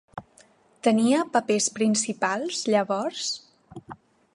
Tenia papers principals llavors?